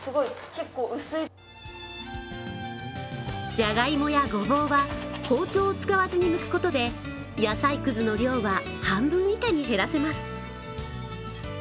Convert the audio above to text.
じゃがいもやごぼうは包丁を使わずにむくことで野菜くずの量は半分以下に減らせます。